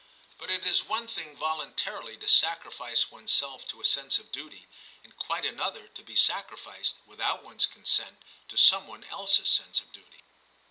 But it is one thing voluntarily to sacrifice oneself to a sense of duty, and quite another to be sacri ficed, without one's consent, to some one else's sense of duty.